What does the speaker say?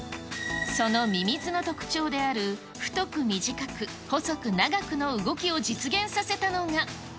そのミミズの特徴である、太く短く、細く長くの動きを実現させたのが。